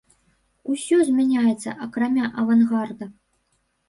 Усё змяняецца, акрамя авангарда.